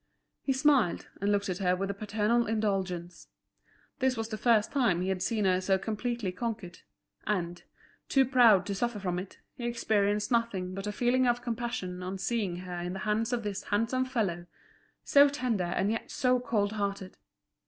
He smiled, and looked at her with a paternal indulgence. This was the first time he had seen her so completely conquered; and, too proud to suffer from it, he experienced nothing but a feeling of compassion on seeing her in the hands of this handsome fellow, so tender and yet so cold hearted.